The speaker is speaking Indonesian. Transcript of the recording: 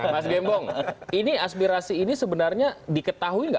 mas gembong ini aspirasi ini sebenarnya diketahui nggak